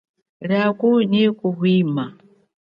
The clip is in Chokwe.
Liako nyi kuhwima.